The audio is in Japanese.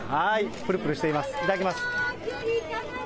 ぷるぷるしています、いただきます。